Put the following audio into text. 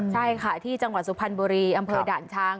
ใช่ค่ะที่จังหวัดสุพรรณบุรีอำเภอด่านช้าง